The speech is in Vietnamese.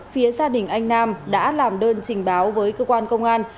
phía gia đình anh nam đã làm đơn trình báo với cơ quan công an